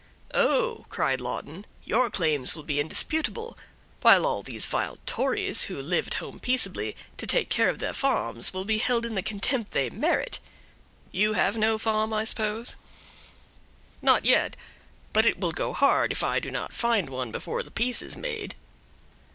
"Oh!" cried Lawton, "your claims will be indisputable; while all these vile Tories who live at home peaceably, to take care of their farms, will be held in the contempt they merit. You have no farm, I suppose?" "Not yet—but it will go hard if I do not find one before the peace is made."